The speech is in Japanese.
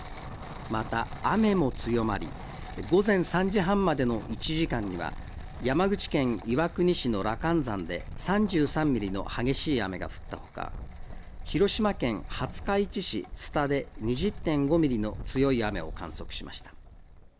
また、雨も強まり、午前３時半までの１時間には山口県岩国市の羅漢山で３３ミリの激しい雨が降ったほか、広島県廿日市市津田で２０．５ミリの強い雨を観測しました。